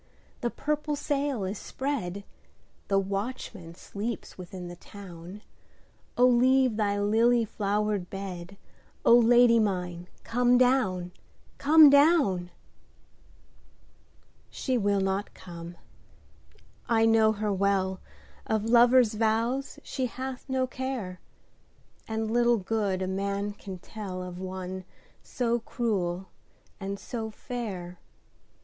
the purple sail is spread, The watchman sleeps within the town,O leave thy lily flowered bed,O Lady mine come down, come down! She will not come, I know her well, Of lover's vows she hath no care, And little good a man can tellOf one so cruel and so fair.